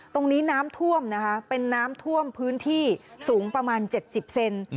ตรงนี้น้ำท่วมนะคะเป็นน้ำท่วมพื้นที่สูงประมาณ๗๐เซน